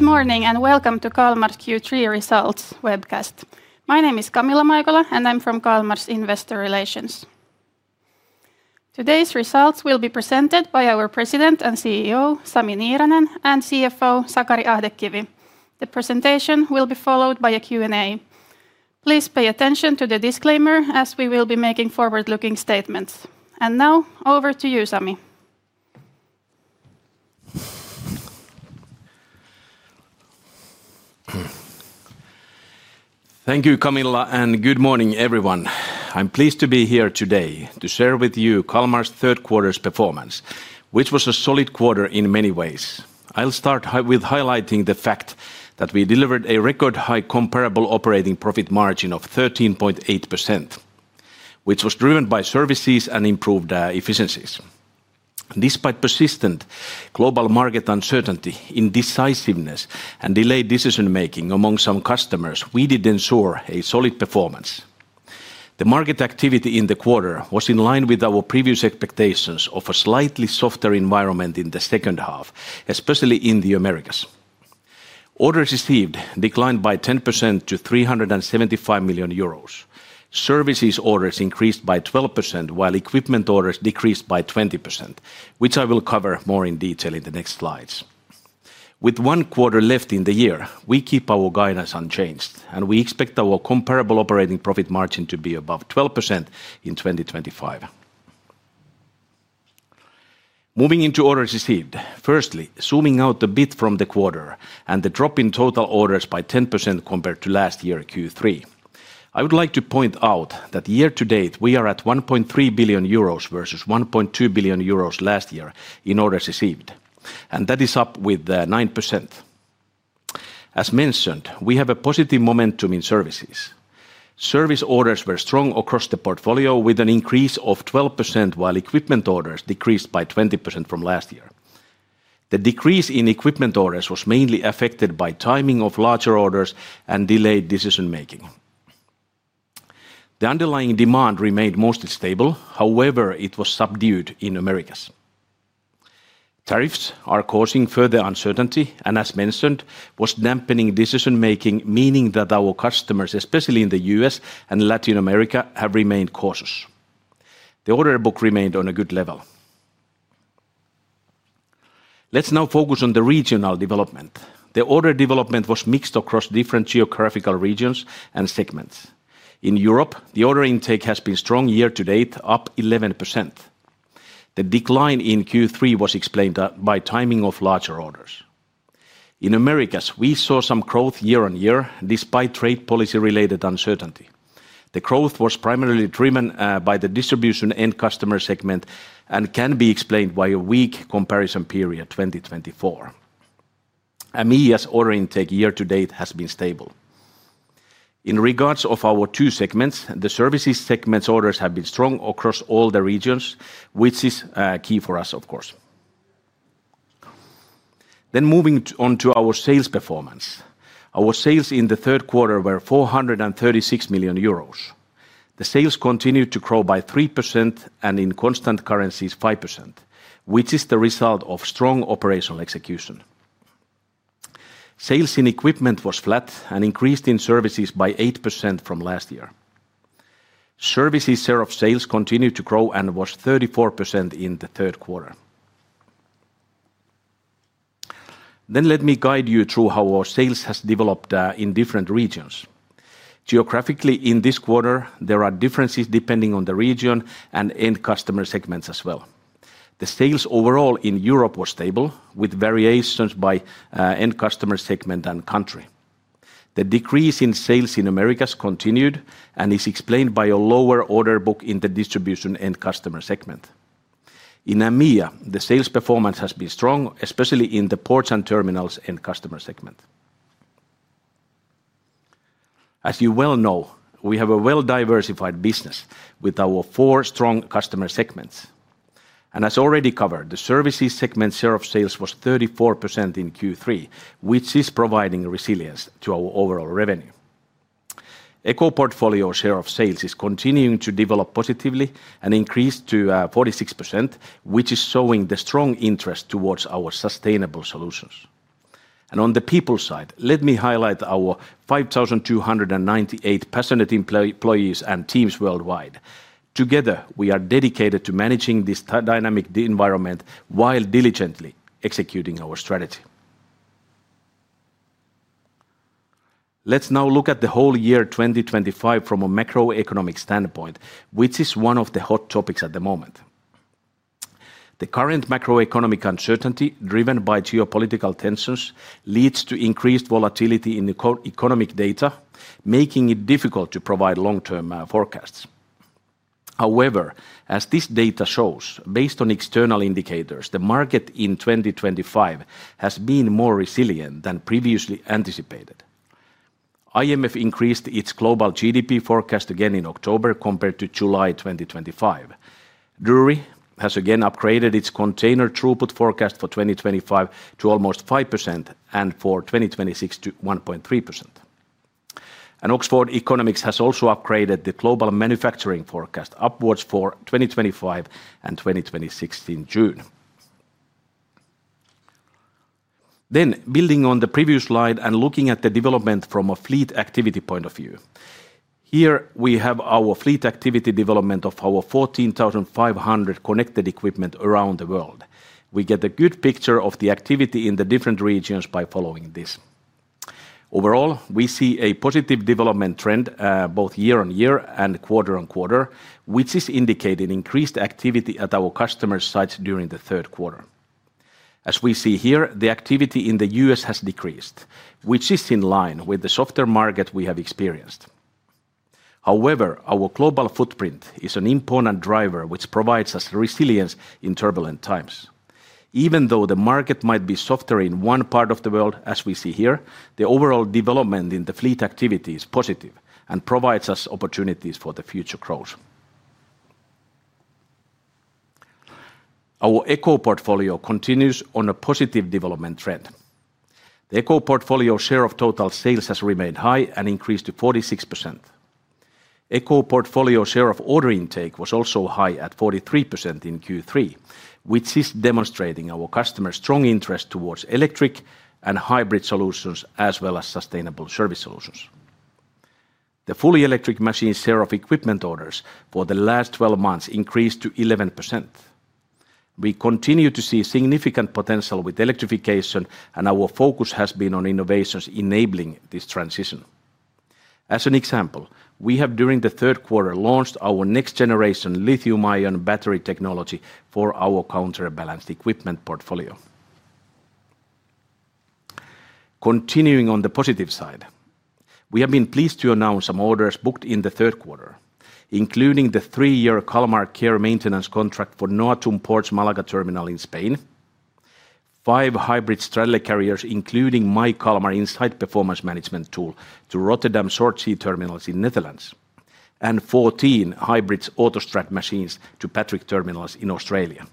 Good morning and welcome to Kalmar Q3 Results webcast. My name is Camilla Maikola, and I'm from Kalmar's Investor Relations. Today's results will be presented by our President and CEO, Sami Niiranen, and CFO, Sakari Ahdekivi. The presentation will be followed by a Q&A. Please pay attention to the disclaimer, as we will be making forward-looking statements. Now, over to you, Sami. Thank you, Camilla, and good morning, everyone. I'm pleased to be here today to share with you Kalmar's third quarter's performance, which was a solid quarter in many ways. I'll start with highlighting the fact that we delivered a record-high comparable operating profit margin of 13.8%, which was driven by services and improved efficiencies. Despite persistent global market uncertainty, indecisiveness, and delayed decision-making among some customers, we did ensure a solid performance. The market activity in the quarter was in line with our previous expectations of a slightly softer environment in the second half, especially in the Americas. Orders received declined by 10% to 375 million euros. Services orders increased by 12%, while equipment orders decreased by 20%, which I will cover more in detail in the next slides. With one quarter left in the year, we keep our guidance unchanged, and we expect our comparable operating profit margin to be above 12% in 2025. Moving into orders received, firstly, zooming out a bit from the quarter and the drop in total orders by 10% compared to last year Q3, I would like to point out that year-to-date we are at 1.3 billion euros versus 1.2 billion euros last year in orders received, and that is up with 9%. As mentioned, we have a positive momentum in services. Service orders were strong across the portfolio, with an increase of 12%, while equipment orders decreased by 20% from last year. The decrease in equipment orders was mainly affected by timing of larger orders and delayed decision-making. The underlying demand remained mostly stable; however, it was subdued in the Americas. Tariffs are causing further uncertainty, and as mentioned, was dampening decision-making, meaning that our customers, especially in the U.S. and Latin America, have remained cautious. The order book remained on a good level. Let's now focus on the regional development. The order development was mixed across different geographical regions and segments. In Europe, the order intake has been strong year-to-date, up 11%. The decline in Q3 was explained by timing of larger orders. In the Americas, we saw some growth year-on-year despite trade policy-related uncertainty. The growth was primarily driven by the distribution and customer segment and can be explained by a weak comparison period 2024. AMEIA's order intake year-to-date has been stable. In regards to our two segments, the services segment orders have been strong across all the regions, which is key for us, of course. Moving on to our sales performance, our sales in the third quarter were 436 million euros. The sales continued to grow by 3% and in constant currencies 5%, which is the result of strong operational execution. Sales in equipment was flat and increased in services by 8% from last year. Services share of sales continued to grow and was 34% in the third quarter. Let me guide you through how our sales have developed in different regions. Geographically, in this quarter, there are differences depending on the region and end customer segments as well. The sales overall in Europe were stable, with variations by end customer segment and country. The decrease in sales in the Americas continued and is explained by a lower order book in the distribution end customer segment. In AMEIA, the sales performance has been strong, especially in the ports and terminals end customer segment. As you well know, we have a well-diversified business with our four strong customer segments. As already covered, the services segment share of sales was 34% in Q3, which is providing resilience to our overall revenue. Eco-portfolio share of sales is continuing to develop positively and increased to 46%, which is showing the strong interest towards our sustainable solutions. On the people side, let me highlight our 5,298 passionate employees and teams worldwide. Together, we are dedicated to managing this dynamic environment while diligently executing our strategy. Let's now look at the whole year 2025 from a macroeconomic standpoint, which is one of the hot topics at the moment. The current macroeconomic uncertainty, driven by geopolitical tensions, leads to increased volatility in the economic data, making it difficult to provide long-term forecasts. However, as this data shows, based on external indicators, the market in 2025 has been more resilient than previously anticipated. IMF increased its global GDP forecast again in October compared to July 2025. Drewry has again upgraded its container throughput forecast for 2025 to almost 5% and for 2026 to 1.3%. Oxford Economics has also upgraded the global manufacturing forecast upwards for 2025 and 2026 in June. Building on the previous slide and looking at the development from a fleet activity point of view, here we have our fleet activity development of our 14,500 connected equipment around the world. We get a good picture of the activity in the different regions by following this. Overall, we see a positive development trend both year-on-year and quarter-on-quarter, which is indicating increased activity at our customer sites during the third quarter. As we see here, the activity in the U.S. has decreased, which is in line with the softer market we have experienced. However, our global footprint is an important driver which provides us resilience in turbulent times. Even though the market might be softer in one part of the world, as we see here, the overall development in the fleet activity is positive and provides us opportunities for future growth. Our Eco-portfolio continues on a positive development trend. The Eco-portfolio share of total sales has remained high and increased to 46%. Eco-portfolio share of order intake was also high at 43% in Q3, which is demonstrating our customers' strong interest towards electric and hybrid solutions as well as sustainable service solutions. The fully electric machines share of equipment orders for the last 12 months increased to 11%. We continue to see significant potential with electrification, and our focus has been on innovations enabling this transition. As an example, we have, during the third quarter, launched our next-generation lithium-ion battery technology for our counterbalanced equipment portfolio. Continuing on the positive side, we have been pleased to announce some orders booked in the third quarter, including the three-year Kalmar Care maintenance contract for NOATUM Ports Malaga terminal in Spain, five hybrid straddle carriers including My Kalmar Insight performance management tool to Rotterdam Short Sea Terminals in the Netherlands, and 14 hybrid AutoStrad machines to Patrick Terminals in Australia.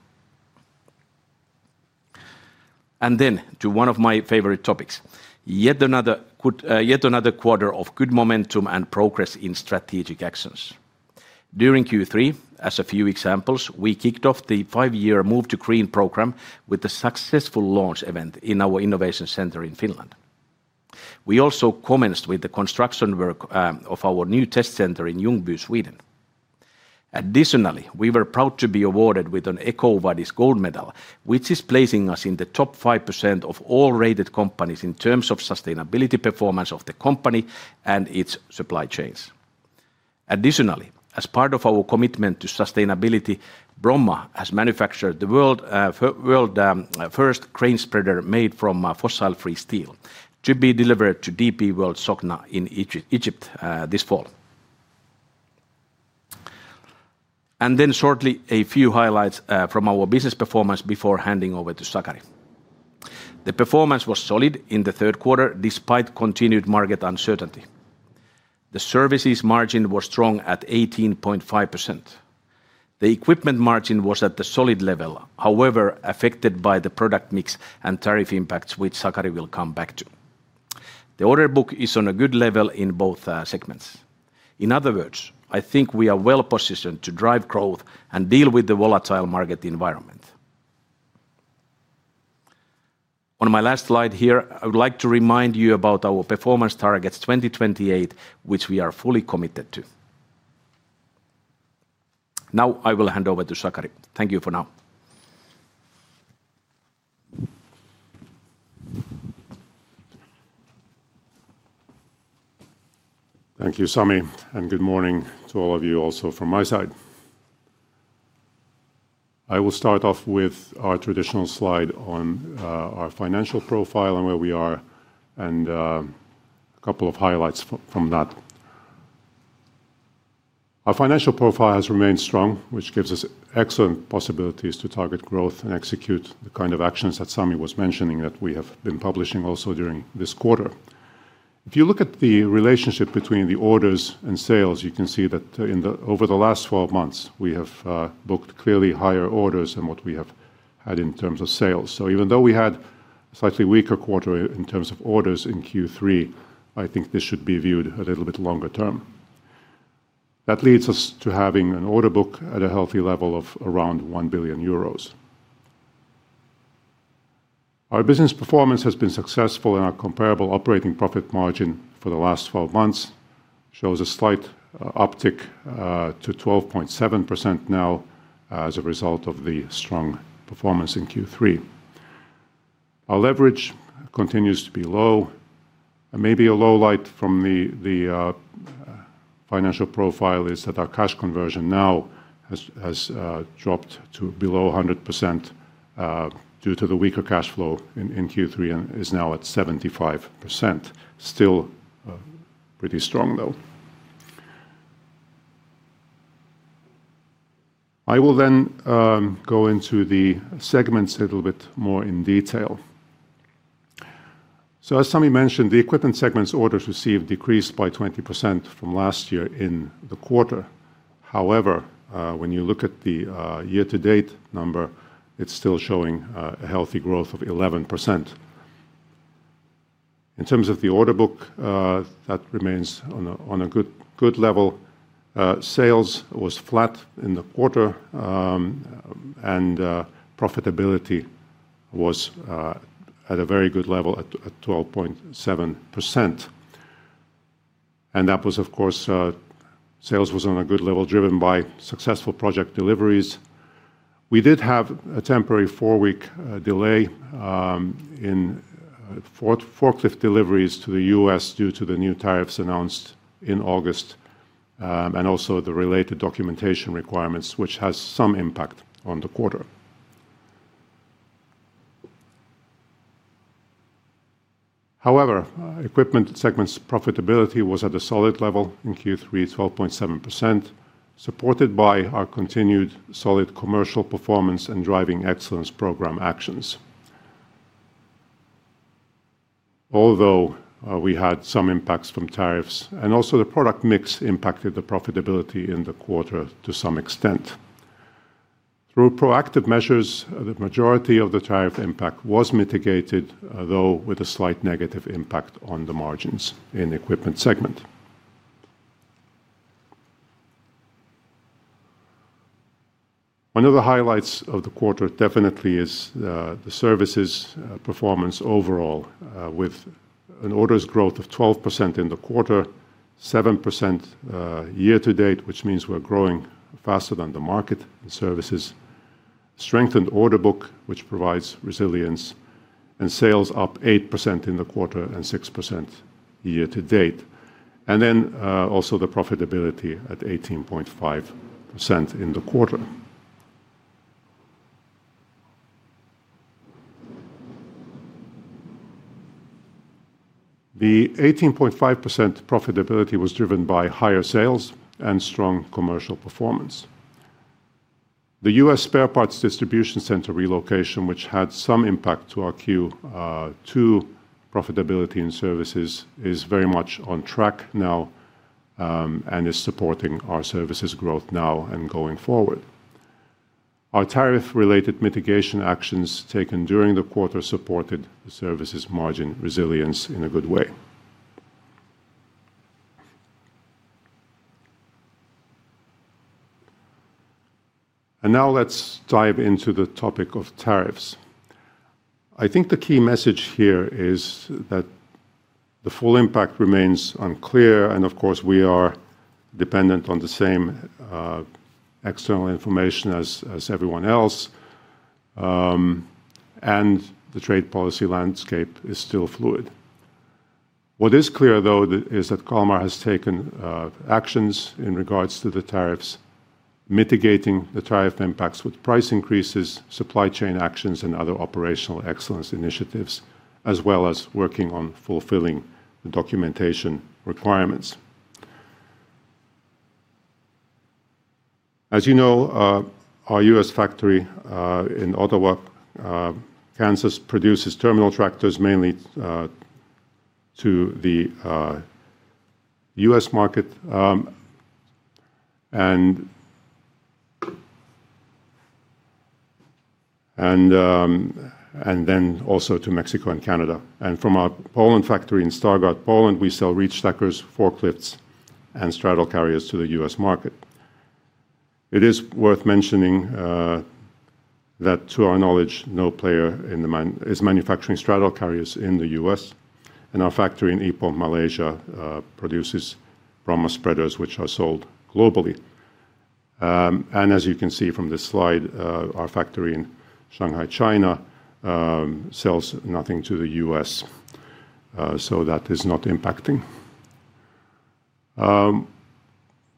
One of my favorite topics is yet another quarter of good momentum and progress in strategic actions. During Q3, as a few examples, we kicked off the five-year Move to Green program with a successful launch event in our innovation center in Finland. We also commenced with the construction work of our new test center in Ljungby, Sweden. Additionally, we were proud to be awarded with an EcoVadis Gold Medal, which is placing us in the top 5% of all rated companies in terms of sustainability performance of the company and its supply chains. Additionally, as part of our commitment to sustainability, Bromma has manufactured the world's first crane spreader made from fossil-free steel to be delivered to DP World Sokhna in Egypt this fall. A few highlights from our business performance before handing over to Sakari. The performance was solid in the third quarter despite continued market uncertainty. The services margin was strong at 18.5%. The equipment margin was at the solid level, however, affected by the product mix and tariff impacts, which Sakari will come back to. The order book is on a good level in both segments. In other words, I think we are well positioned to drive growth and deal with the volatile market environment. On my last slide here, I would like to remind you about our performance targets 2028, which we are fully committed to. Now I will hand over to Sakari. Thank you for now. Thank you, Sami, and good morning to all of you also from my side. I will start off with our traditional slide on our financial profile and where we are. A couple of highlights from that. Our financial profile has remained strong, which gives us excellent possibilities to target growth and execute the kind of actions that Sami was mentioning that we have been publishing also during this quarter. If you look at the relationship between the orders and sales, you can see that over the last 12 months, we have booked clearly higher orders than what we have had in terms of sales. Even though we had a slightly weaker quarter in terms of orders in Q3, I think this should be viewed a little bit longer term. That leads us to having an order book at a healthy level of around 1 billion euros. Our business performance has been successful, and our comparable operating profit margin for the last 12 months shows a slight uptick to 12.7% now as a result of the strong performance in Q3. Our leverage continues to be low. Maybe a low light from the financial profile is that our cash conversion now has dropped to below 100% due to the weaker cash flow in Q3 and is now at 75%. Still pretty strong though. I will then go into the segments a little bit more in detail. As Sami mentioned, the equipment segment's orders received decreased by 20% from last year in the quarter. However, when you look at the year-to-date number, it's still showing a healthy growth of 11%. In terms of the order book, that remains on a good level. Sales was flat in the quarter, and profitability was at a very good level at 12.7%. That was, of course, sales was on a good level driven by successful project deliveries. We did have a temporary four-week delay in forklift deliveries to the U.S. due to the new tariffs announced in August and also the related documentation requirements, which has some impact on the quarter. However, equipment segment's profitability was at a solid level in Q3, 12.7%, supported by our continued solid commercial performance and Driving Excellence program actions. Although we had some impacts from tariffs, and also the product mix impacted the profitability in the quarter to some extent. Through proactive measures, the majority of the tariff impact was mitigated, though with a slight negative impact on the margins in the equipment segment. One of the highlights of the quarter definitely is the services performance overall, with an orders growth of 12% in the quarter, 7% year-to-date, which means we're growing faster than the market in services. Strengthened order book, which provides resilience, and sales up 8% in the quarter and 6% year-to-date. Also, the profitability at 18.5% in the quarter. The 18.5% profitability was driven by higher sales and strong commercial performance. The U.S. spare parts distribution center relocation, which had some impact to our Q2 profitability in services, is very much on track now and is supporting our services growth now and going forward. Our tariff-related mitigation actions taken during the quarter supported the services margin resilience in a good way. Now let's dive into the topic of tariffs. I think the key message here is that the full impact remains unclear, and of course, we are dependent on the same external information as everyone else. The trade policy landscape is still fluid. What is clear though is that Kalmar has taken actions in regards to the tariffs, mitigating the tariff impacts with price increases, supply chain actions, and other operational excellence initiatives, as well as working on fulfilling the documentation requirements. As you know, our U.S. factory in Ottawa, Kansas, produces terminal tractors mainly to the U.S. market and then also to Mexico and Canada. From our Poland factory in Stargard, Poland, we sell reach stackers, forklifts, and straddle carriers to the U.S. market. It is worth mentioning that to our knowledge, no player is manufacturing straddle carriers in the U.S., and our factory in Ipoh, Malaysia, produces Bromma spreaders, which are sold globally. As you can see from this slide, our factory in Shanghai, China, sells nothing to the U.S., so that is not impacting.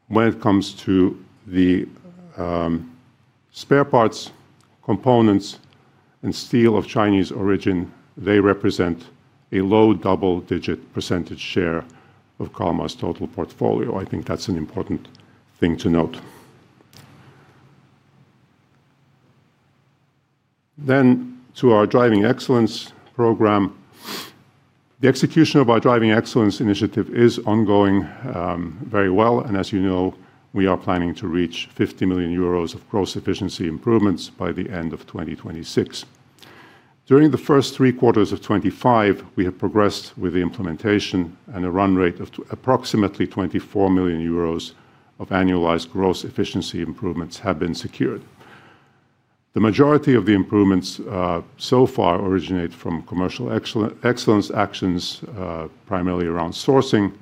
When it comes to the spare parts, components, and steel of Chinese origin, they represent a low double-digit percentage share of Kalmar's total portfolio. I think that's an important thing to note. Then to our driving excellence program. The execution of our driving excellence initiative is ongoing very well, and as you know, we are planning to reach 50 million euros of gross efficiency improvements by the end of 2026. During the first three quarters of 2025, we have progressed with the implementation, and a run rate of approximately 24 million euros of annualized gross efficiency improvements have been secured. The majority of the improvements so far originate from commercial excellence actions, primarily around sourcing,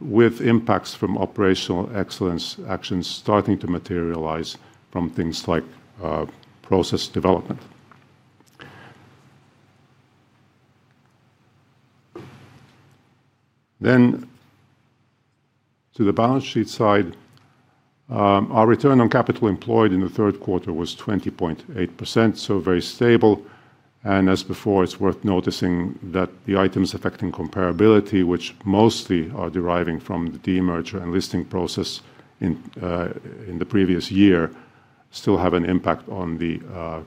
with impacts from operational excellence actions starting to materialize from things like process development. To the balance sheet side, our return on capital employed in the third quarter was 20.8%, so very stable. As before, it's worth noticing that the items affecting comparability, which mostly are deriving from the demerger and listing process in the previous year, still have an impact on the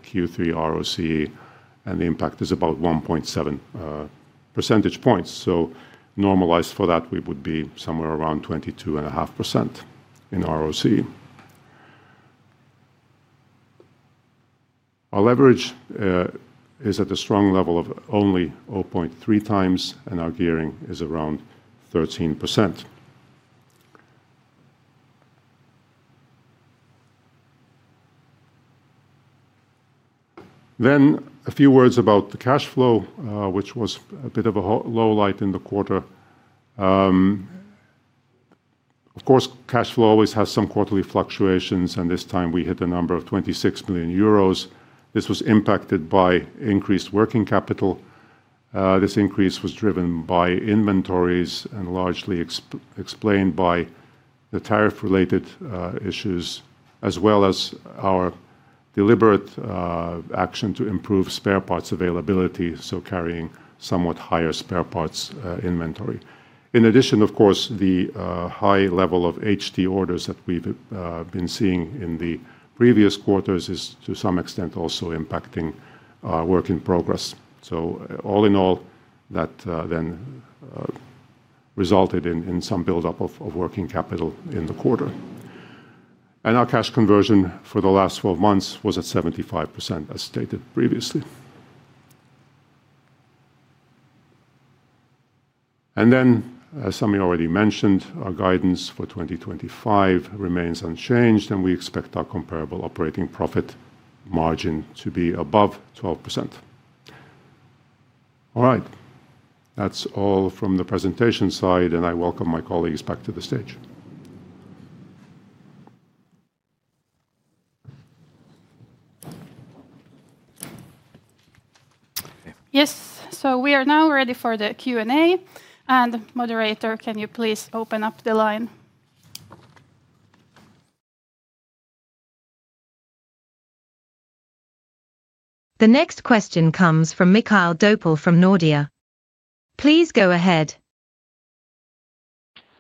Q3 ROCE, and the impact is about 1.7% points. Normalized for that, we would be somewhere around 22.5% in ROCE. Our leverage is at a strong level of only 0.3 times, and our gearing is around 13%. A few words about the cash flow, which was a bit of a low light in the quarter. Of course, cash flow always has some quarterly fluctuations, and this time we hit a number of 26 million euros. This was impacted by increased working capital. This increase was driven by inventories and largely explained by the tariff-related issues, as well as our deliberate action to improve spare parts availability, so carrying somewhat higher spare parts inventory. In addition, the high level of HD orders that we've been seeing in the previous quarters is to some extent also impacting work in progress. All in all, that resulted in some buildup of working capital in the quarter. Our cash conversion for the last 12 months was at 75%, as stated previously. As Sami already mentioned, our guidance for 2025 remains unchanged, and we expect our comparable operating profit margin to be above 12%. All right. That's all from the presentation side, and I welcome my colleagues back to the stage. Yes, we are now ready for the Q&A. Moderator, can you please open up the line? The next question comes from Mikael Doepel from Nordea. Please go ahead.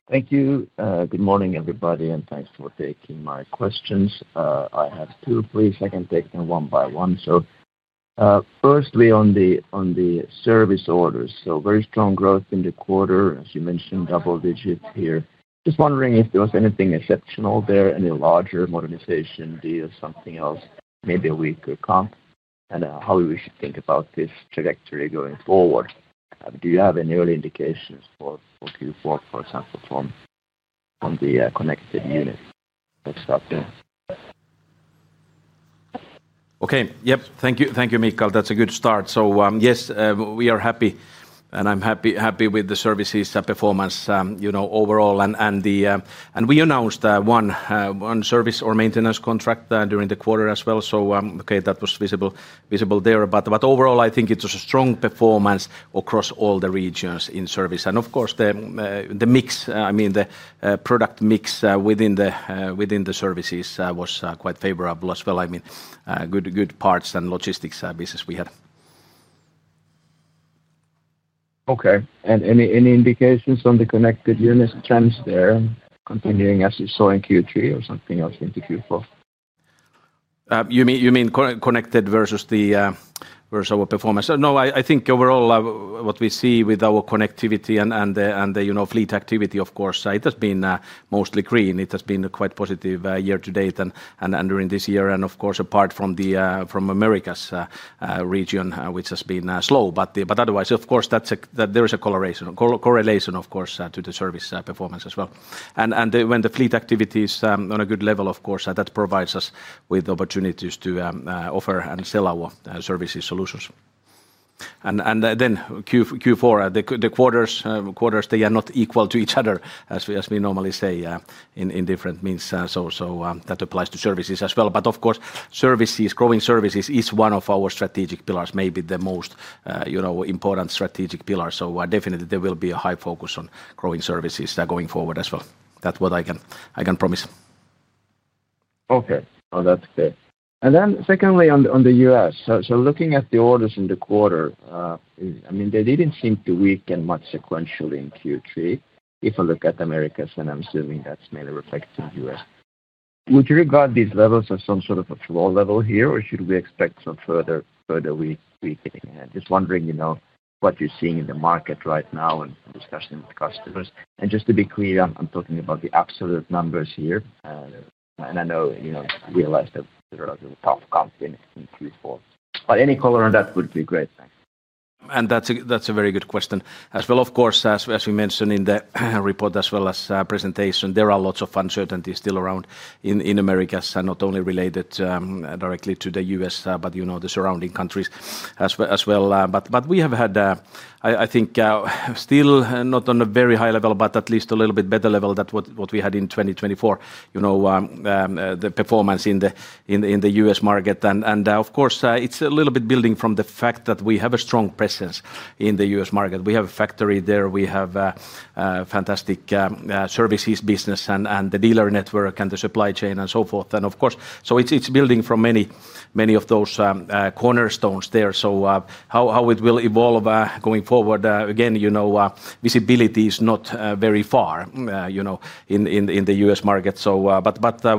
Thank you. Good morning, everybody, and thanks for taking my questions. I have two, please. I can take them one by one. Firstly, on the service orders, very strong growth in the quarter, as you mentioned, double-digit here. Just wondering if there was anything exceptional there, any larger modernization deal, something else, maybe a weaker comp, and how we should think about this trajectory going forward. Do you have any early indications for Q4, for example, from the connected units? Okay, thank you, Mikael. That's a good start. Yes, we are happy, and I'm happy with the services performance overall. We announced one service or maintenance contract during the quarter as well. That was visible there. Overall, I think it was a strong performance across all the regions in service. The mix, I mean the product mix within the services, was quite favorable as well. I mean good parts and logistics business we had. Okay, any indications on the connected units trends there, continuing as you saw in Q3 or something else into Q4? You mean connected versus our performance? No, I think overall what we see with our connectivity and the fleet activity, of course, it has been mostly green. It has been quite positive year-to-date and during this year. Of course, apart from the Americas region, which has been slow. Otherwise, of course, there is a correlation, of course, to the service performance as well. When the fleet activity is on a good level, of course, that provides us with opportunities to offer and sell our services solutions. In Q4, the quarters, they are not equal to each other, as we normally say in different means. That applies to services as well. Growing services is one of our strategic pillars, maybe the most important strategic pillar. Definitely there will be a high focus on growing services going forward as well. That's what I can promise. Okay, that's clear. Secondly, on the U.S., looking at the orders in the quarter, they didn't seem to weaken much sequentially in Q3. If I look at Americas, and I'm assuming that's mainly reflected in the U.S., would you regard these levels as some sort of a floor level here, or should we expect some further weakening? I'm just wondering what you're seeing in the market right now and discussing with customers. Just to be clear, I'm talking about the absolute numbers here. I know you realize that they're a relatively tough comp in Q4. Any color on that would be great. That's a very good question as well. Of course, as we mentioned in the report as well as the presentation, there are lots of uncertainties still around in the Americas, not only related directly to the U.S., but the surrounding countries as well. We have had, I think, still not on a very high level, but at least a little bit better level than what we had in 2024, the performance in the U.S. market. It's a little bit building from the fact that we have a strong presence in the U.S. market. We have a factory there. We have fantastic services business and the dealer network and the supply chain and so forth. It's building from many of those cornerstones there. How it will evolve going forward, again, visibility is not very far in the U.S. market.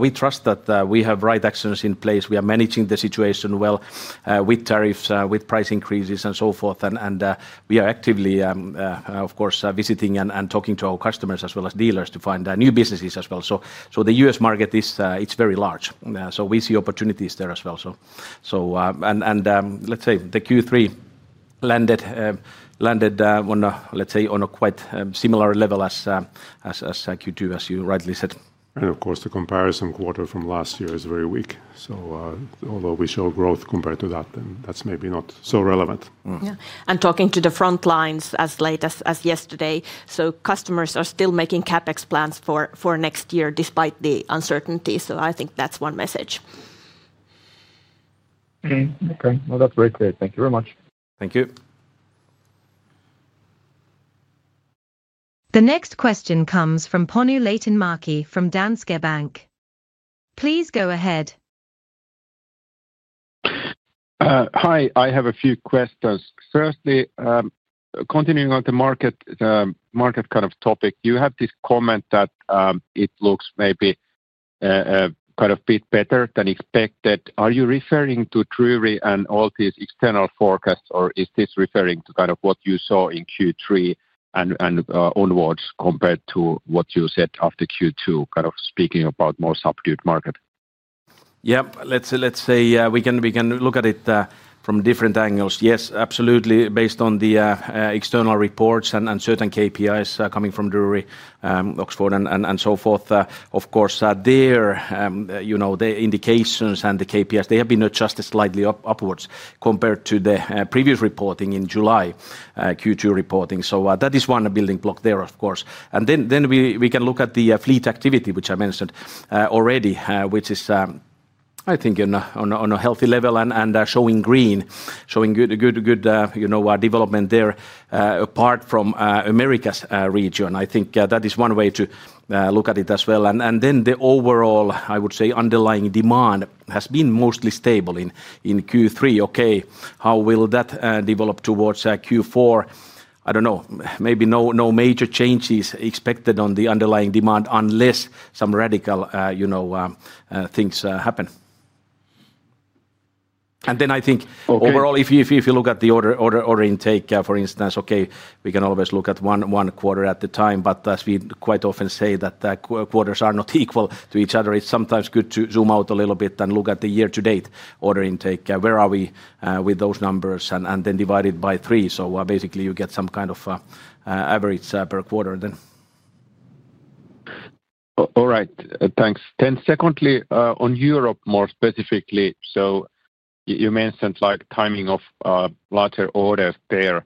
We trust that we have the right actions in place. We are managing the situation well with tariffs, with price increases, and so forth. We are actively, of course, visiting and talking to our customers as well as dealers to find new businesses as well. The U.S. market is very large. We see opportunities there as well. Let's say the Q3 landed on a, let's say, on a quite similar level as Q2, as you rightly said. The comparison quarter from last year is very weak. Although we show growth compared to that, that's maybe not so relevant. Talking to the front lines as late as yesterday, customers are still making CapEx plans for next year despite the uncertainty. I think that's one message. Okay, that's very clear. Thank you very much. Thank you. The next question comes from Panu Leitinmäki from Danske Bank. Please go ahead. Hi, I have a few questions. Firstly, continuing on the market kind of topic, you have this comment that it looks maybe kind of a bit better than expected. Are you referring to Drewry and all these external forecasts, or is this referring to kind of what you saw in Q3 and onwards compared to what you said after Q2, kind of speaking about more subdued market? Yeah, let's say we can look at it from different angles. Yes, absolutely, based on the external reports and certain KPIs coming from Drewry, Oxford, and so forth. Of course, there, the indications and the KPIs, they have been adjusted slightly upwards compared to the previous reporting in July, Q2 reporting. That is one building block there, of course. We can look at the fleet activity, which I mentioned already, which is, I think, on a healthy level and showing green, showing good development there apart from the Americas region. I think that is one way to look at it as well. The overall, I would say, underlying demand has been mostly stable in Q3. Okay, how will that develop towards Q4? I don't know, maybe no major changes expected on the underlying demand unless some radical things happen. I think overall, if you look at the order intake, for instance, we can always look at one quarter at a time, but as we quite often say that quarters are not equal to each other, it's sometimes good to zoom out a little bit and look at the year-to-date order intake. Where are we with those numbers? Then divide it by three. Basically, you get some kind of average per quarter then. All right, thanks. Secondly, on Europe more specifically, you mentioned timing of larger orders there.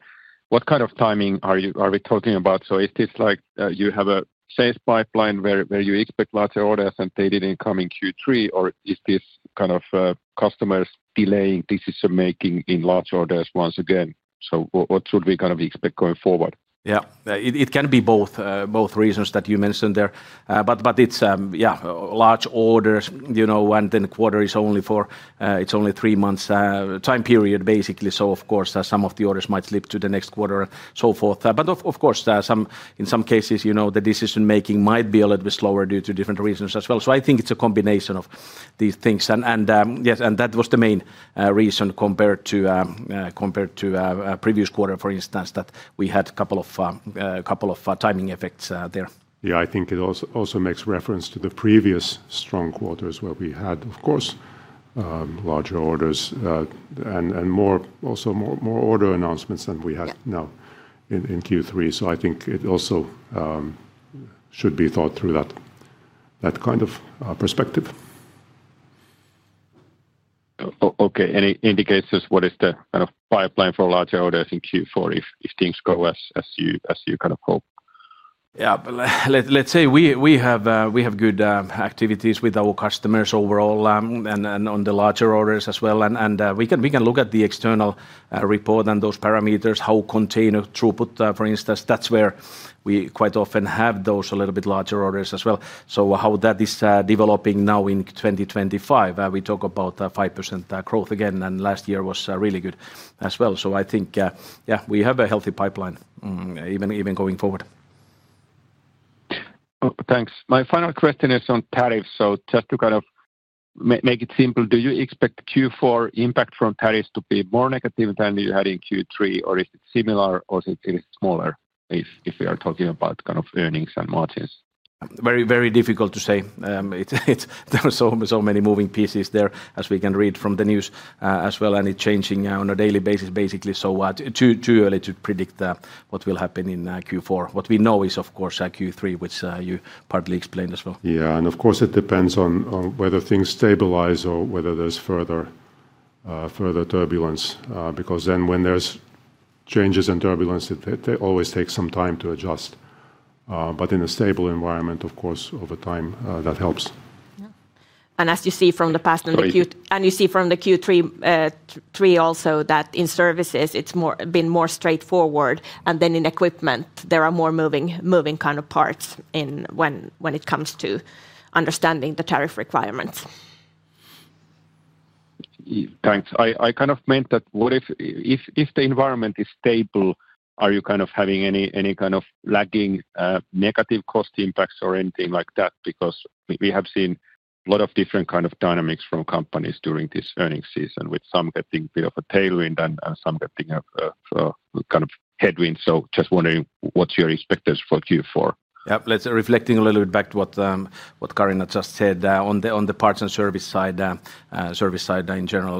What kind of timing are we talking about? Is this like you have a sales pipeline where you expect larger orders and they didn't come in Q3, or is this customers delaying decision-making in large orders once again? What should we expect going forward? Yeah, it can be both reasons that you mentioned there. It's large orders, and the quarter is only three months time period, basically. Of course, some of the orders might slip to the next quarter and so forth. In some cases, the decision-making might be a little bit slower due to different reasons as well. I think it's a combination of these things. Yes, that was the main reason compared to the previous quarter, for instance, that we had a couple of timing effects there. I think it also makes reference to the previous strong quarters where we had, of course, larger orders and also more order announcements than we had now in Q3. I think it also should be thought through in that kind of perspective. Okay, it indicates what is the kind of pipeline for larger orders in Q4 if things go as you kind of hope? Let's say we have good activities with our customers overall and on the larger orders as well. We can look at the external report and those parameters, how container throughput, for instance, that's where we quite often have those a little bit larger orders as well. How that is developing now in 2025, we talk about 5% growth again, and last year was really good as well. I think we have a healthy pipeline even going forward. Thanks. My final question is on tariffs. Just to kind of make it simple, do you expect Q4 impact from tariffs to be more negative than you had in Q3, or is it similar, or is it smaller if we are talking about kind of earnings and margins? Very difficult to say. There are so many moving pieces there as we can read from the news as well, and it's changing on a daily basis, basically. Too early to predict what will happen in Q4. What we know is, of course, Q3, which you partly explained as well. Of course, it depends on whether things stabilize or whether there's further turbulence, because when there's changes in turbulence, they always take some time to adjust. In a stable environment, of course, over time that helps. As you see from the past and the Q3. Yeah. You see from the Q3 also that in services it's been more straightforward, and in equipment there are more moving kind of parts when it comes to understanding the tariff requirements. Thanks. I meant that if the environment is stable, are you having any lagging negative cost impacts or anything like that? We have seen a lot of different dynamics from companies during this earnings season, with some getting a bit of a tailwind and some getting a headwind. Just wondering what's your expectations for Q4? Yeah, reflecting a little bit back to what Carina just said on the parts and service side, service side in general.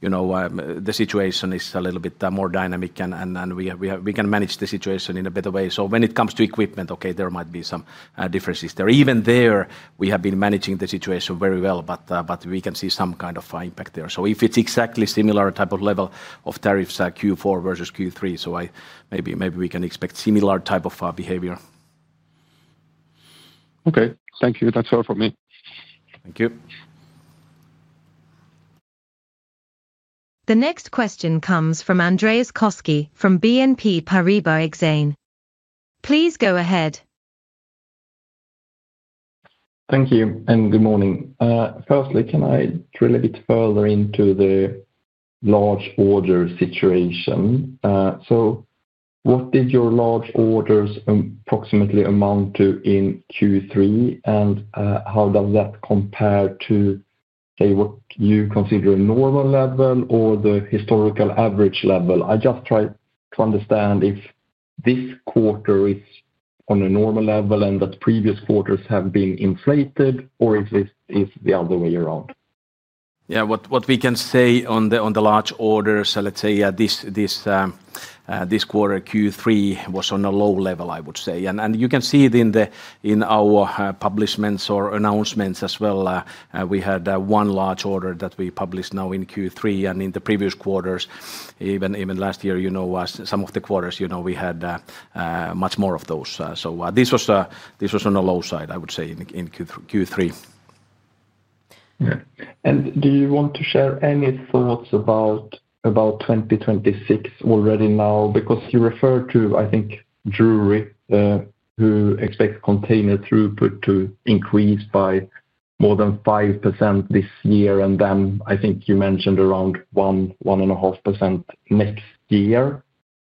The situation is a little bit more dynamic, and we can manage the situation in a better way. When it comes to equipment, okay, there might be some differences there. Even there, we have been managing the situation very well, but we can see some kind of impact there. If it's exactly similar type of level of tariffs Q4 versus Q3, maybe we can expect similar type of behavior. Okay, thank you. That's all from me. Thank you. The next question comes from Andreas Koski from BNP Paribas Exane. Please go ahead. Thank you and good morning. Firstly, can I drill a bit further into the large order situation? What did your large orders approximately amount to in Q3, and how does that compare to, say, what you consider a normal level or the historical average level? I am just trying to understand if this quarter is on a normal level and that previous quarters have been inflated, or is it the other way around? Yeah, what we can say on the large orders, let's say this. Quarter Q3 was on a low level, I would say. You can see it in our publishments or announcements as well. We had one large order that we published now in Q3, and in the previous quarters, even last year, some of the quarters we had much more of those. This was on the low side, I would say, in Q3. Do you want to share any thoughts about 2026 already now? Because you referred to, I think, Drewry, who expects container throughput to increase by more than 5% this year, and then I think you mentioned around 1.5% next year.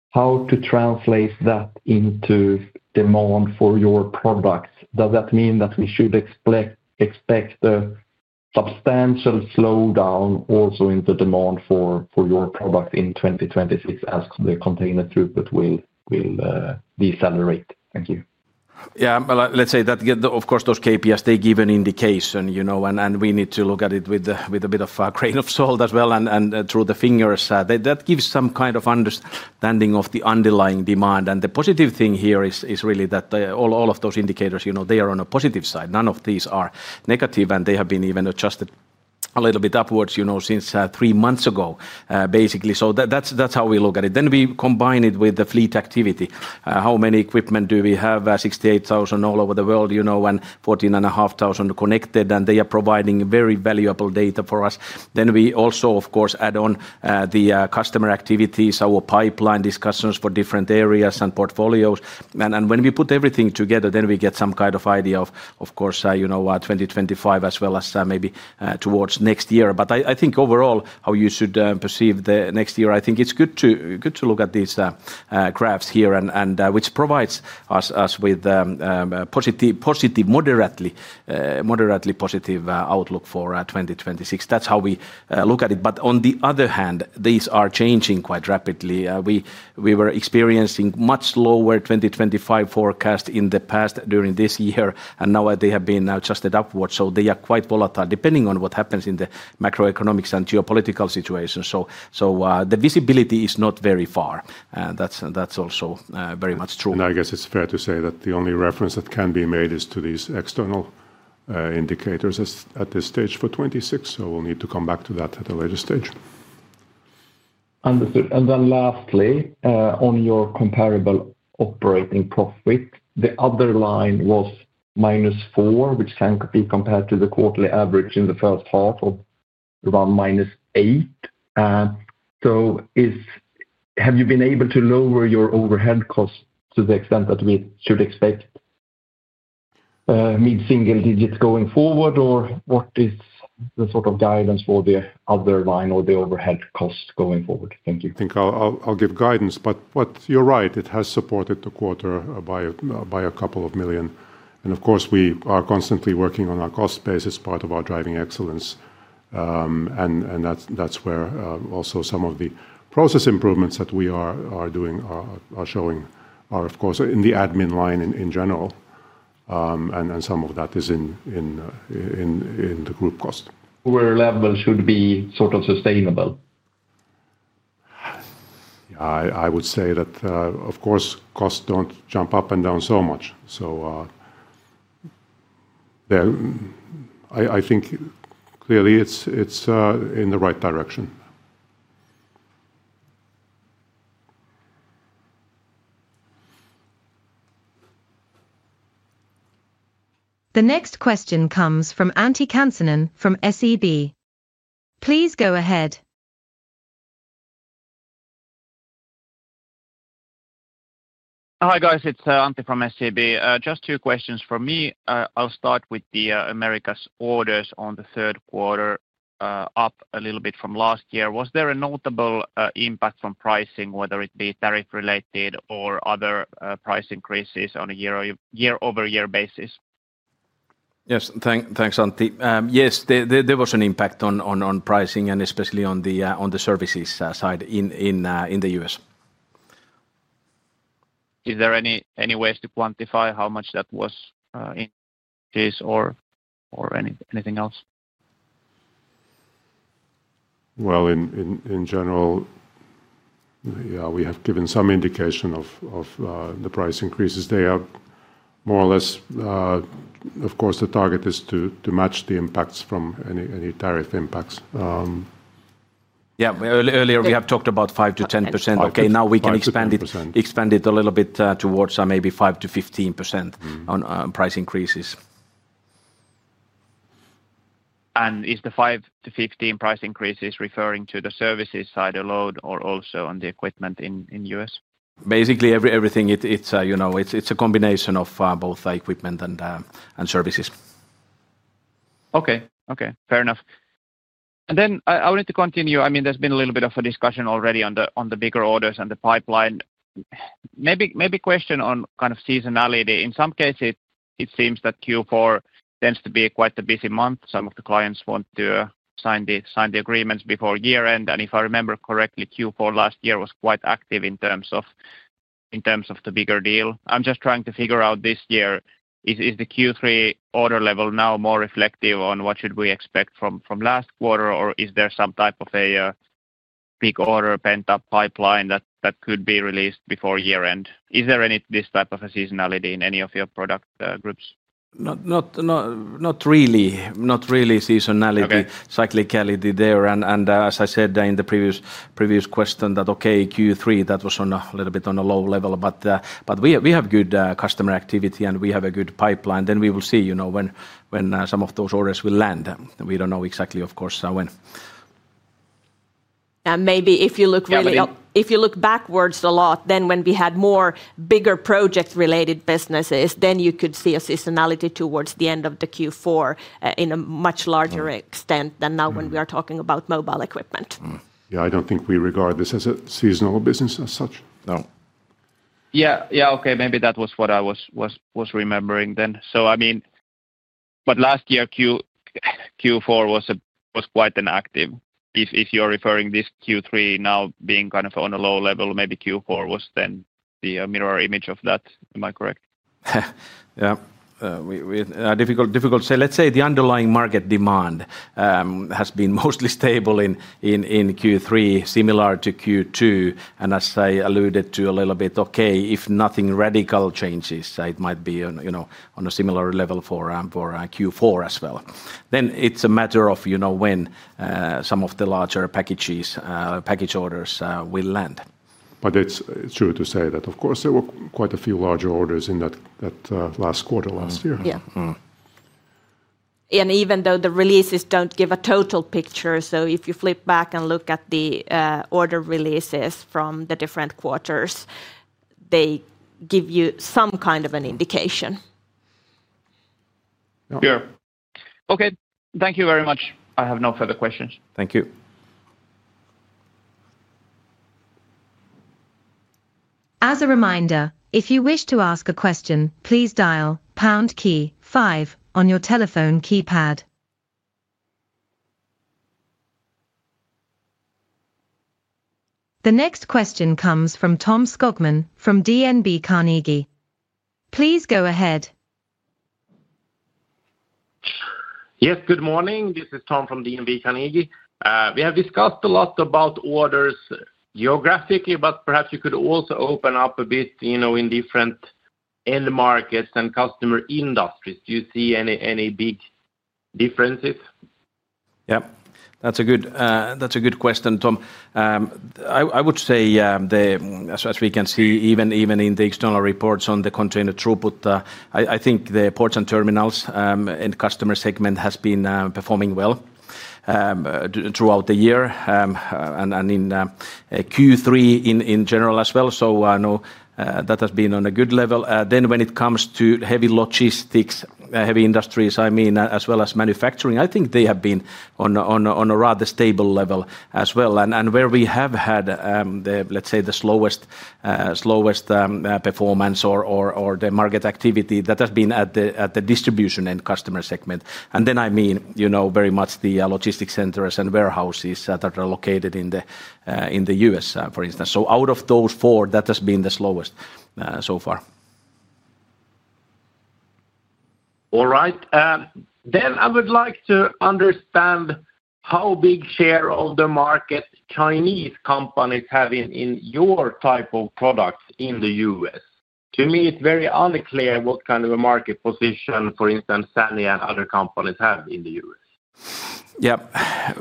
How to translate that into demand for your products? Does that mean that we should expect a substantial slowdown also in the demand for your products in 2026 as the container throughput will decelerate? Thank you. Yeah, let's say that, of course, those KPIs, they give an indication, and we need to look at it with a bit of a grain of salt as well and through the fingers. That gives some kind of understanding of the underlying demand. The positive thing here is really that all of those indicators, they are on a positive side. None of these are negative, and they have been even adjusted a little bit upwards since three months ago, basically. That's how we look at it. We combine it with the fleet activity. How many equipment do we have? 68,000 all over the world and 14,500 connected, and they are providing very valuable data for us. We also, of course, add on the customer activities, our pipeline discussions for different areas and portfolios. When we put everything together, we get some kind of idea of, of course, 2025 as well as maybe towards next year. I think overall, how you should perceive the next year, I think it's good to look at these graphs here, which provides us with a positive, moderately positive outlook for 2026. That's how we look at it. On the other hand, these are changing quite rapidly. We were experiencing much lower 2025 forecasts in the past during this year, and now they have been adjusted upwards. They are quite volatile depending on what happens in the macroeconomic and geopolitical situation. The visibility is not very far. That's also very much true. I guess it's fair to say that the only reference that can be made is to these external indicators at this stage for 2026. We'll need to come back to that at a later stage. Understood. Lastly, on your comparable operating profit, the other line was minus four, which can be compared to the quarterly average in the first half of around minus eight. Have you been able to lower your overhead costs to the extent that we should expect mid-single digits going forward, or what is the sort of guidance for the other line or the overhead costs going forward? Thank you. I think I'll give guidance, but you're right, it has supported the quarter by a couple of million. Of course, we are constantly working on our cost basis, part of our driving excellence. That's where also some of the process improvements that we are doing are showing, of course, in the admin line in general, and some of that is in the group cost. Lower level should be sort of sustainable? I would say that, of course, costs don't jump up and down so much. I think clearly it's in the right direction. The next question comes from Antti Kansanen from SEB. Please go ahead. Hi guys, it's Antti from SEB. Just two questions from me. I'll start with the Americas orders on the third quarter, up a little bit from last year. Was there a notable impact from pricing, whether it be tariff-related or other price increases on a year-over-year basis? Yes, thanks, Antti. Yes, there was an impact on pricing, especially on the services side in the U.S. Is there any way to quantify how much that was increased or anything else? In general, yeah, we have given some indication of the price increases. They are more or less. Of course, the target is to match the impacts from any tariff impacts. Yeah, earlier we have talked about 5%-10%. Okay, now we can expand it a little bit towards maybe 5%-15% on price increases. Is the 5%-15% price increases referring to the services side alone or also on the equipment in the U.S.? Basically everything. It's a combination of both equipment and services. Okay, fair enough. I wanted to continue. There's been a little bit of a discussion already on the bigger orders and the pipeline. Maybe a question on kind of seasonality. In some cases, it seems that Q4 tends to be quite a busy month. Some of the clients want to sign the agreements before year-end. If I remember correctly, Q4 last year was quite active in terms of the bigger deal. I'm just trying to figure out this year, is the Q3 order level now more reflective on what should we expect from last quarter, or is there some type of a big order pent-up pipeline that could be released before year-end? Is there any this type of seasonality in any of your product groups? Not really. Not really seasonality, cyclicality there. As I said in the previous question, Q3 was a little bit on a low level, but we have good customer activity and we have a good pipeline. We will see when some of those orders will land. We don't know exactly, of course, when. If you look backwards a lot, when we had more bigger project-related businesses, you could see a seasonality towards the end of Q4 in a much larger extent than now when we are talking about mobile equipment. Yeah, I don't think we regard this as a seasonal business as such. No. Okay, maybe that was what I was remembering then. I mean, last year Q4 was quite active. If you're referring to this Q3 now being kind of on a low level, maybe Q4 was then the mirror image of that. Am I correct? Difficult to say. Let's say the underlying market demand has been mostly stable in Q3, similar to Q2. As I alluded to a little bit, if nothing radical changes, it might be on a similar level for Q4 as well. It's a matter of when some of the larger package orders will land. It is true to say that, of course, there were quite a few larger orders in that last quarter last year. Even though the releases don't give a total picture, if you flip back and look at the order releases from the different quarters, they give you some kind of an indication. Okay, thank you very much. I have no further questions. Thank you. As a reminder, if you wish to ask a question, please dial pound key five on your telephone keypad. The next question comes from Tom Skogman from DNB Carnegie. Please go ahead. Yes, good morning. This is Tom from DNB Carnegie. We have discussed a lot about orders geographically, but perhaps you could also open up a bit in different end markets and customer industries. Do you see any big differences? Yeah, that's a good question, Tom. I would say, as we can see even in the external reports on the container throughput, I think the ports and terminals and customer segment has been performing well throughout the year and in Q3 in general as well. That has been on a good level. When it comes to heavy logistics, heavy industries, as well as manufacturing, I think they have been on a rather stable level as well. Where we have had the slowest performance or the market activity, that has been at the distribution and customer segment. I mean very much the logistics centers and warehouses that are located in the U.S., for instance. Out of those four, that has been the slowest so far. All right. I would like to understand how big share of the market Chinese companies have in your type of products in the U.S. To me, it's very unclear what kind of a market position, for instance, Kalmar and other companies have in the U.S.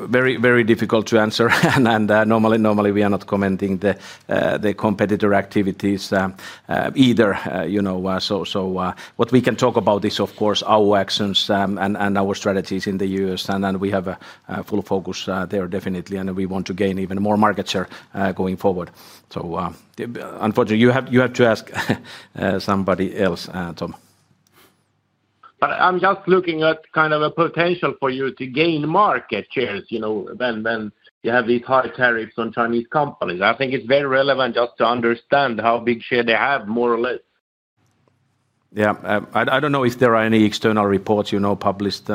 Very difficult to answer. Normally we are not commenting on competitor activities either. What we can talk about is, of course, our actions and our strategies in the U.S. We have a full focus there definitely, and we want to gain even more market share going forward. Unfortunately, you have to ask somebody else, Tom. I'm just looking at kind of a potential for you to gain market shares when you have these high tariffs on Chinese companies. I think it's very relevant just to understand how big share they have, more or less. I don't know if there are any external reports published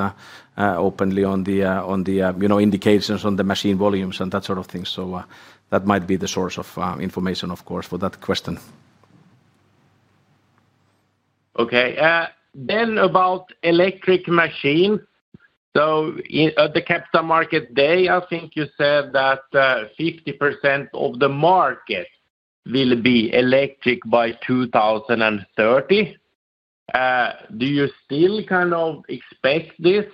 openly on the indications on the machine volumes and that sort of thing. That might be the source of information, of course, for that question. Okay. About electric machine, at the Capital Market Day, I think you said that 50% of the market will be electric by 2030. Do you still kind of expect this?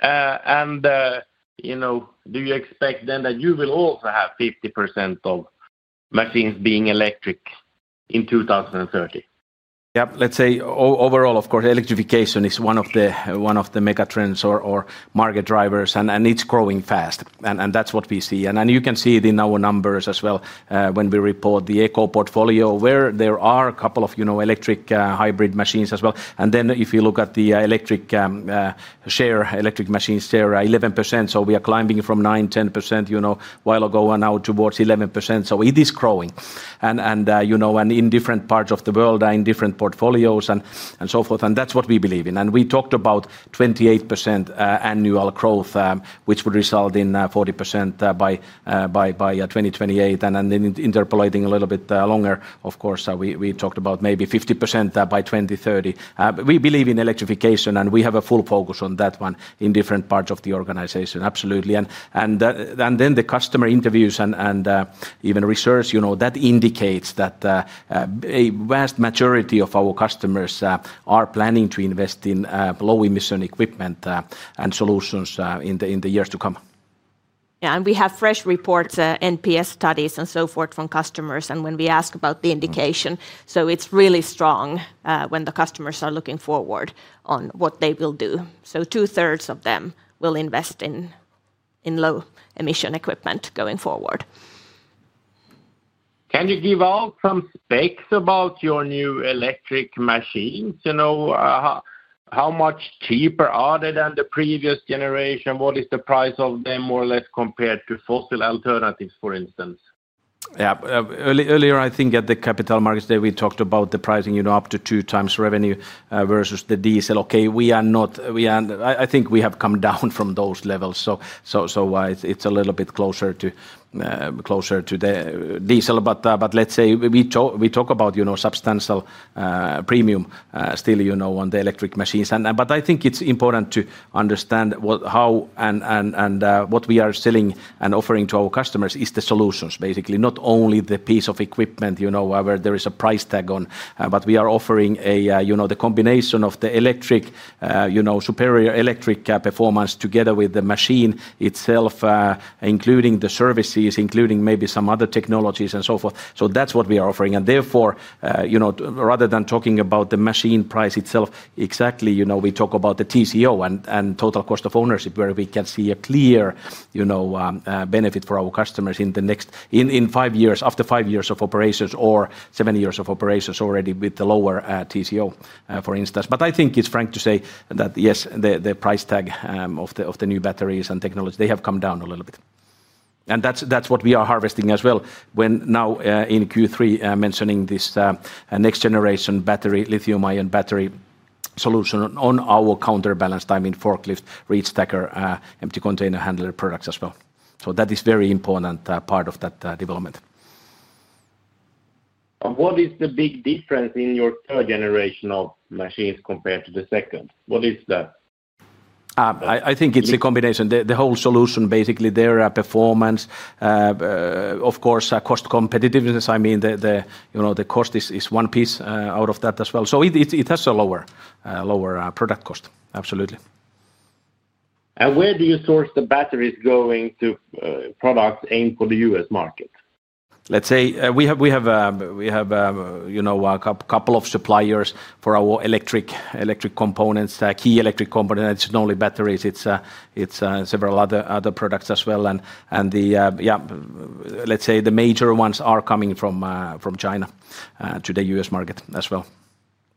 Do you expect that you will also have 50% of machines being electric in 2030? Yeah, let's say overall, of course, electrification is one of the mega trends or market drivers, and it's growing fast. That's what we see. You can see it in our numbers as well when we report the Eco-portfolio, where there are a couple of electric hybrid machines as well. If you look at the electric share, electric machines share 11%. We are climbing from 9%, 10% a while ago and now towards 11%. It is growing in different parts of the world, in different portfolios and so forth. That's what we believe in. We talked about 28% annual growth, which would result in 40% by 2028. Interpolating a little bit longer, of course, we talked about maybe 50% by 2030. We believe in electrification, and we have a full focus on that one in different parts of the organization. Absolutely. The customer interviews and even research indicate that a vast majority of our customers are planning to invest in low-emission equipment and solutions in the years to come. Yeah, we have fresh reports, NPS studies and so forth from customers. When we ask about the indication, it's really strong when the customers are looking forward on what they will do. 2/3 of them will invest in low-emission equipment going forward. Can you give out some specs about your new electric machines? How much cheaper are they than the previous generation? What is the price of them more or less compared to fossil alternatives, for instance? Yeah, earlier I think at the Capital Market Day, we talked about the pricing up to two times revenue versus the diesel. We have come down from those levels, so it's a little bit closer to the diesel. Let's say we talk about substantial premium still on the electric machines. I think it's important to understand how and what we are selling and offering to our customers is the solutions, basically. Not only the piece of equipment where there is a price tag on, but we are offering the combination of the superior electric performance together with the machine itself, including the services, including maybe some other technologies and so forth. That's what we are offering. Therefore, rather than talking about the machine price itself exactly, we talk about the TCO and total cost of ownership, where we can see a clear benefit for our customers in five years, after five years of operations or seven years of operations already with the lower TCO, for instance. I think it's frank to say that yes, the price tag of the new batteries and technologies, they have come down a little bit. That's what we are harvesting as well. When now in Q3, mentioning this Next-generation Battery, Lithium-ion Battery solution on our counterbalance, I mean forklift, reach stacker, electric empty container handler products as well. That is a very important part of that development. What is the big difference in your third generation of machines compared to the second? What is that? I think it's a combination. The whole solution, basically their performance. Of course, cost competitiveness, I mean the cost is one piece out of that as well. It has a lower product cost, absolutely. Where do you source the batteries going to products aimed for the U.S. market? Let's say we have a couple of suppliers for our electric components, key electric components. It's not only batteries, it's several other products as well. The major ones are coming from China to the U.S. market as well.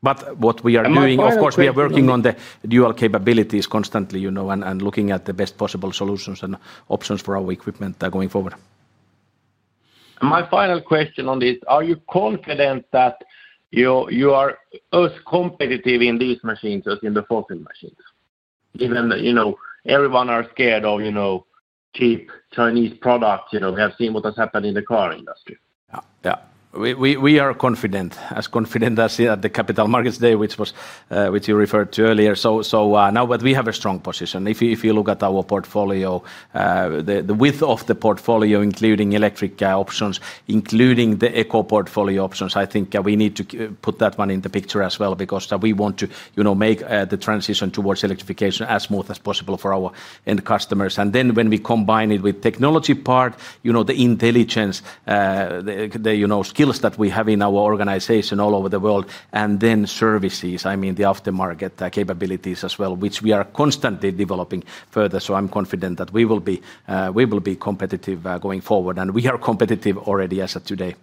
What we are doing, of course, we are working on the dual capabilities constantly and looking at the best possible solutions and options for our equipment going forward. My final question on this, are you confident that you are as competitive in these machines as in the fossil machines? Everyone is scared of cheap Chinese products. We have seen what has happened in the car industry. Yeah, we are confident, as confident as the Capital Market Day, which you referred to earlier. Now that we have a strong position, if you look at our portfolio, the width of the portfolio, including electric options, including the Eco-portfolio options, I think we need to put that one in the picture as well because we want to make the transition towards electrification as smooth as possible for our end customers. When we combine it with the technology part, the intelligence, the skills that we have in our organization all over the world, and then services, I mean the aftermarket capabilities as well, which we are constantly developing further, I'm confident that we will be competitive going forward. We are competitive already as of today.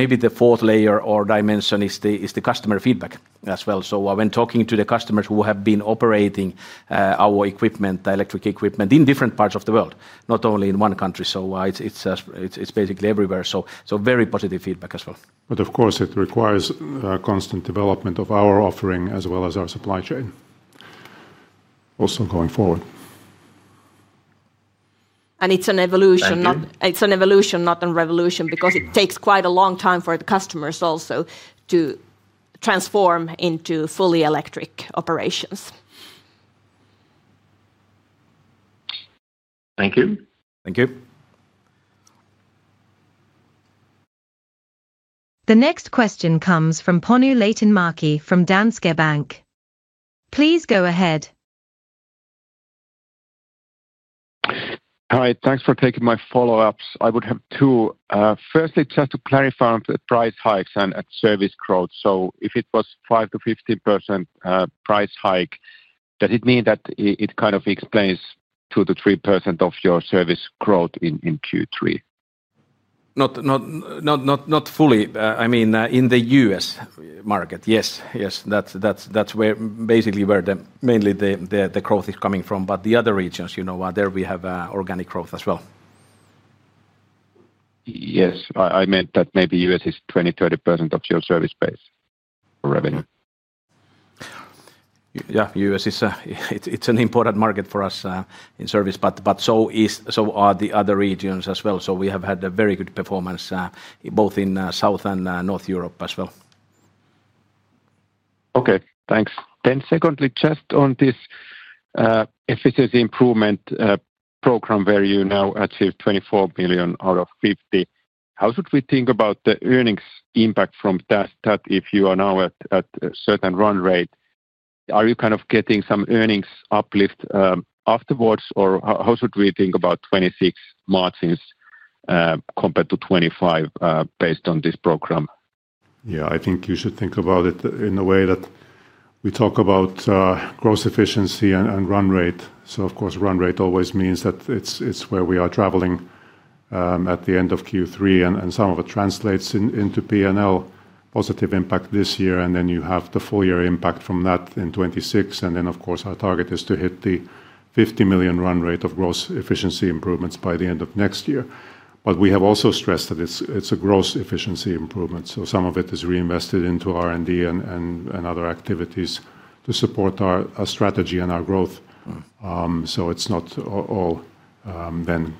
Maybe the fourth layer or dimension is the customer feedback as well. When talking to the customers who have been operating our equipment, electric equipment in different parts of the world, not only in one country, it's basically everywhere. Very positive feedback as well. Of course, it requires constant development of our offering as well as our supply chain, also going forward. It's an evolution, not a revolution, because it takes quite a long time for the customers also to transform into fully electric operations. Thank you. Thank you. The next question comes from Panu Laitinmäki from Danske Bank. Please go ahead. Hi, thanks for taking my follow-ups. I would have two. Firstly, just to clarify on the price hikes and service growth. If it was 5% to 15% price hike, does it mean that it kind of explains 2% to 3% of your service growth in Q3? Not fully. I mean in the U.S. market, yes, that's basically where mainly the growth is coming from. The other regions, there we have organic growth as well. Yes, I meant that maybe U.S. is 20% to 30% of your service base revenue. Yeah, U.S. is an important market for us in service, but so are the other regions as well. We have had a very good performance both in South and North Europe as well. Okay, thanks. Secondly, just on this efficiency improvement program where you now achieve $24 million out of $50 million. How should we think about the earnings impact from that if you are now at a certain run rate? Are you kind of getting some earnings uplift afterwards? How should we think about 2026 margins compared to 2025 based on this program? Yeah, I think you should think about it in a way that we talk about gross efficiency and run rate. Of course, run rate always means that it's where we are traveling at the end of Q3, and some of it translates into P&L positive impact this year. You have the full year impact from that in 2026. Our target is to hit the $50 million run rate of gross efficiency improvements by the end of next year. We have also stressed that it's a gross efficiency improvement, so some of it is reinvested into R&D and other activities to support our strategy and our growth. It's not all then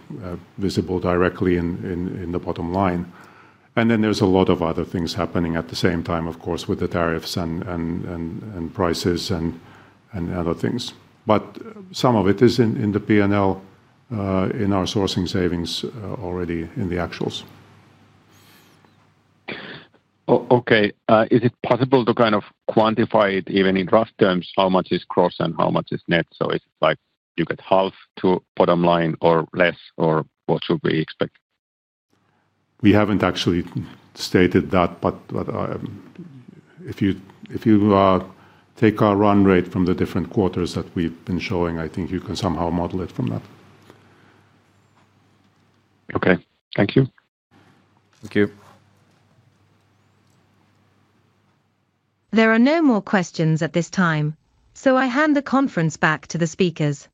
visible directly in the bottom line. There's a lot of other things happening at the same time, of course, with the tariffs, prices, and other things. Some of it is in the P&L, in our sourcing savings already in the actuals. Okay, is it possible to kind of quantify it even in rough terms? How much is gross and how much is net? Is it like you get half to bottom line or less? What should we expect? We haven't actually stated that. If you take our run rate from the different quarters that we've been showing, I think you can somehow model it from that. Okay, thank you. Thank you. There are no more questions at this time, so I hand the conference back to the speakers.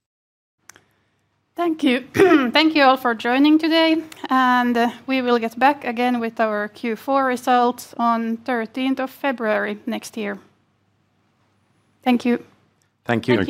Thank you. Thank you all for joining today. We will get back again with our Q4 results on 13th of February next year. Thank you. Thank you.